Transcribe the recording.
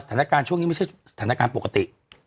สถานการณ์ช่วงนี้ไม่ใช่สถานการณ์ปกติ